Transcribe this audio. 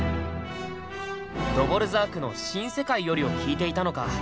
ドヴォルザークの「新世界より」を聴いていたのか。